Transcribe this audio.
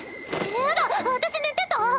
やだ私寝てた？